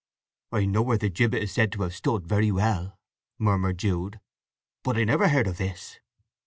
"I know where the gibbet is said to have stood, very well," murmured Jude. "But I never heard of this.